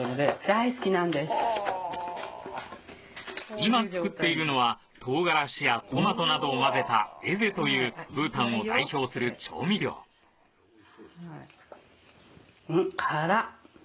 今作っているのは唐辛子やトマトなどを混ぜたエゼというブータンを代表する調味料ん辛っ！